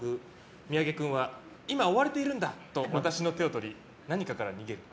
三宅君は、今追われているんだと私の手を取り、何かから逃げる。